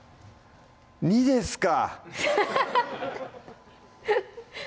２ですか！